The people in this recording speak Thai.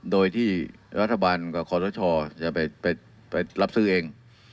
โดยที่รัฐบาลกับคอสชจะไปรับซื้อเอง